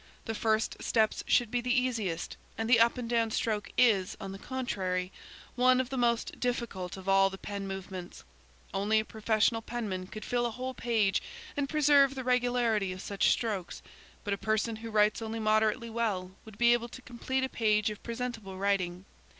The first steps should be the easiest, and the up and down stroke, is, on the contrary, one of the most difficult of all the pen movements. Only a professional penman could fill a whole page and preserve the regularity of such strokes, but a person who writes only moderately well would be able to complete a page of presentable writing.